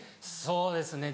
そうですね